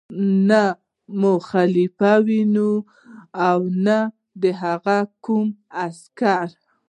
نه مو خلیفه ویني او نه د هغه کوم عسکر.